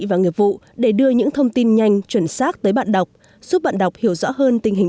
và nghiệp vụ để đưa những thông tin nhanh chuẩn xác tới bạn đọc giúp bạn đọc hiểu rõ hơn tình hình